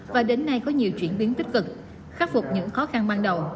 và đến nay có nhiều chuyển biến tích cực khắc phục những khó khăn ban đầu